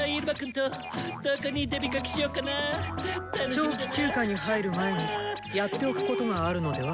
長期休暇に入る前にやっておくことがあるのでは？